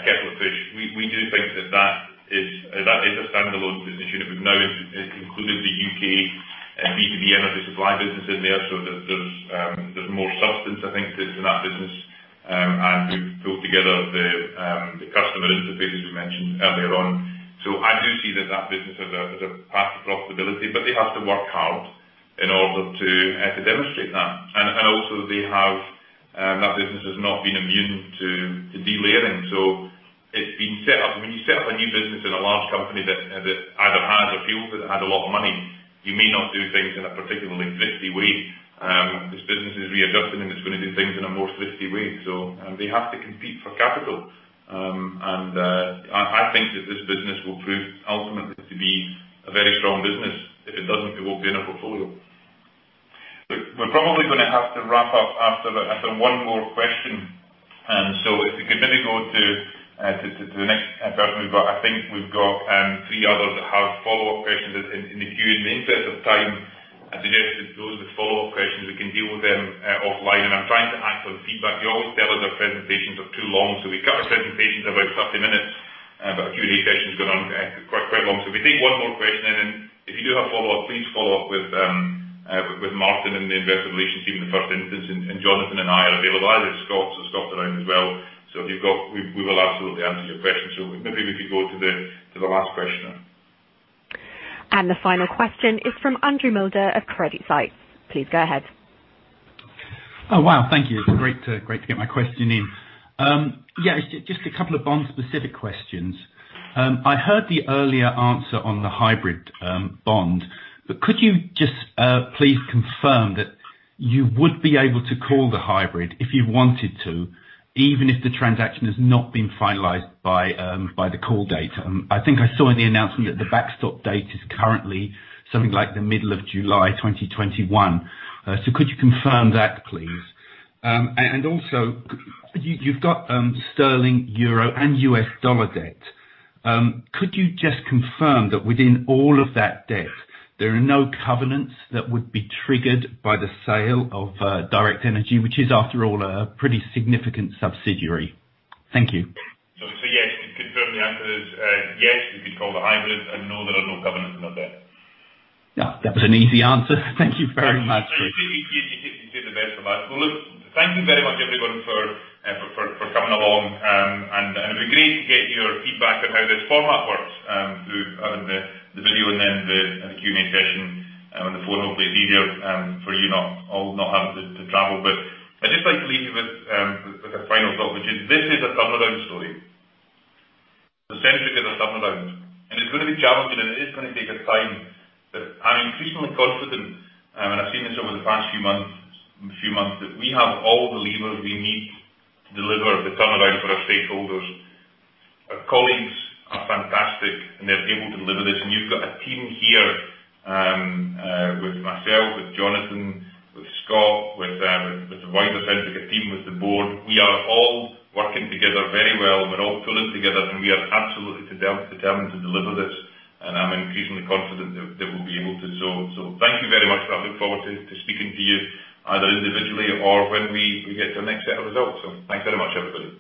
kettle of fish. We do think that that is a standalone business unit. We've now included the U.K. B2B energy supply business in there. There's more substance, I think, to that business. We've pulled together the customer interface, as we mentioned earlier on. I do see that business as a path to profitability, they have to work hard in order to demonstrate that. Also that business has not been immune to delayering. It's been set up. When you set up a new business in a large company that either has or feels that it has a lot of money, you may not do things in a particularly thrifty way. This business is readjusting, and it's going to do things in a more thrifty way. They have to compete for capital. I think that this business will prove ultimately to be a very strong business. If it doesn't, it won't be in our portfolio. Look, we're probably going to have to wrap up after one more question. If we could maybe go to the next person we've got. I think we've got three others that have follow-up questions in the queue. In the interest of time, I suggest that those with follow-up questions, we can deal with them offline. I'm trying to act on feedback. You always tell us our presentations are too long, so we cut our presentations to about 30 minutes. Q&A sessions go on quite long. We'll take one more question and then if you do have a follow-up, please follow up with Martin in the Investor Relations team in the first instance. Johnathan and I are available. I know Scott's around as well. If you've got, we will absolutely answer your question. Maybe we could go to the last question.
The final question is from Andrew Moulder of CreditSights. Please go ahead.
Oh, wow. Thank you. It's great to get my question in. Just a couple of bond-specific questions. I heard the earlier answer on the hybrid bond, could you just please confirm that you would be able to call the hybrid if you wanted to, even if the transaction has not been finalized by the call date? I think I saw in the announcement that the backstop date is currently something like the middle of July 2021. Could you confirm that, please? You've got sterling, euro, and US dollar debt. Could you just confirm that within all of that debt, there are no covenants that would be triggered by the sale of Direct Energy, which is, after all, a pretty significant subsidiary? Thank you.
Yes, to confirm, the answer is yes, we could call the hybrid and no, there are no covenants in that debt.
Yeah. That was an easy answer. Thank you very much.
You take the best of us. Well, look, thank you very much, everyone, for coming along. It'd be great to get your feedback on how this format works through having the video and then the Q&A session on the phone. Hopefully, it's easier for you not having to travel. I'd just like to leave you with a final thought, which is this is a turnaround story. Centrica is a turnaround, and it's going to be challenging and it is going to take us time, but I'm increasingly confident, and I've seen this over the past few months, that we have all the levers we need to deliver the turnaround for our stakeholders. Our colleagues are fantastic, and they're able to deliver this. You've got a team here with myself, with Johnathan, with Scott, with the wider Centrica team, with the board. We are all working together very well. We're all pulling together, and we are absolutely determined to deliver this. I'm increasingly confident that we'll be able to. Thank you very much. I look forward to speaking to you either individually or when we get to the next set of results. Thanks very much, everybody.